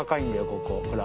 ここほら。